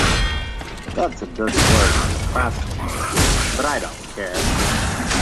That's a dirty word in the classical department, but I don't care.